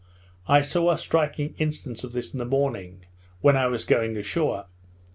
I saw a striking instance of this in the morning, when I was going ashore.